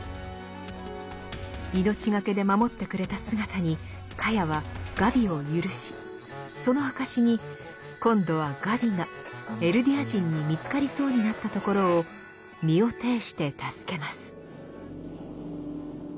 命懸けで守ってくれた姿にカヤはガビを赦しその証しに今度はガビがエルディア人に見つかりそうになったところを身を挺して助けます。